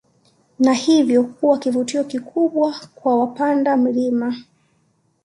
Na hivyo kuwa kivutio kikubwa kwa wapanda milima